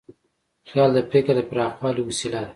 خیال د فکر د پراخوالي وسیله ده.